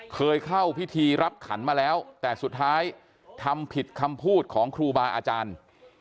เคยเข้าพิธีรับขันมาแล้วแต่สุดท้ายทำผิดคำพูดของครูบาอาจารย์